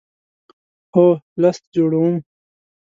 هو، لست جوړوم